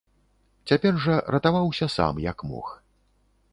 Цяпер жа ратаваўся сам як мог.